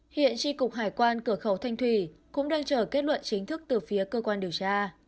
hiện tri cục hải quan cửa khẩu thanh thủy cũng đang chờ kết luận chính thức từ phía cơ quan điều tra